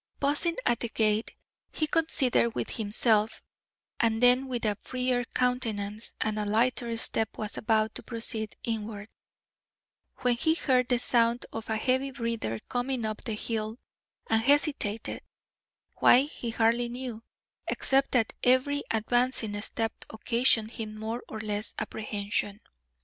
Pausing at the gate, he considered with himself, and then with a freer countenance and a lighter step was about to proceed inward, when he heard the sound of a heavy breather coming up the hill, and hesitated why he hardly knew, except that every advancing step occasioned him more or less apprehension.